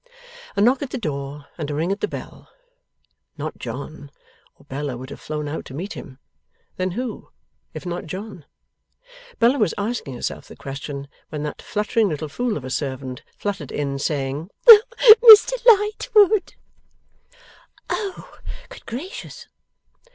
A knock at the door, and a ring at the bell. Not John; or Bella would have flown out to meet him. Then who, if not John? Bella was asking herself the question, when that fluttering little fool of a servant fluttered in, saying, 'Mr Lightwood!' Oh good gracious!